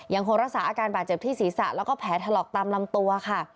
ยังคงรักษาอาการบาดเจ็บที่ศีรษะแล้วก็แผลถลอกตามลำตัวค่ะ